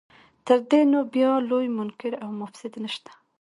تر دې نو بیا لوی منکر او مفسد نشته.